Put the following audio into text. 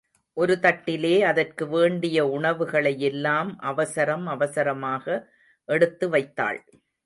ஒரு தட்டிலே அதற்கு வேண்டிய உணவுகளையெல்லாம் அவசரம் அவசரமாக எடுத்து வைத்தாள்.